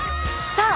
さあ